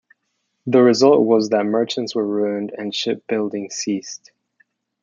The result was that merchants were ruined and shipbuilding ceased.